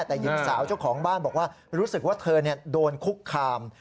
แต่หญิงสาวเจ้าของบ้านบอกว่ารู้สึกว่าเธอโดนคุกคาม